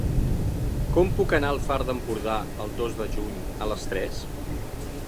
Com puc anar al Far d'Empordà el dos de juny a les tres?